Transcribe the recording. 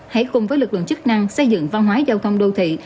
hãy cùng với lực lượng chức năng xây dựng văn hóa giao thông đô thị